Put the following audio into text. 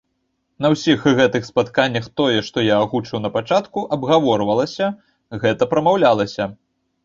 На ўсіх гэтых спатканнях тое, што я агучыў на пачатку, абгаворвалася, гэта прамаўлялася.